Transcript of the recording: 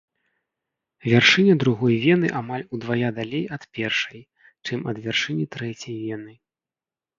Вяршыня другой вены амаль удвая далей ад першай, чым ад вяршыні трэцяй вены.